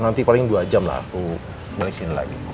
nanti paling dua jam lah aku balik sini lagi